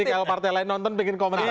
jadi kalau partai lain nonton ingin komentar